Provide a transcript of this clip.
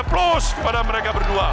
plus kepada mereka berdua